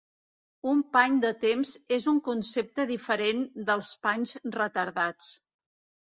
Un pany de temps és un concepte diferent dels panys retardats.